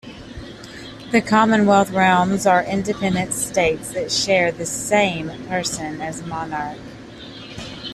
The Commonwealth realms are independent states that share the same person as monarch.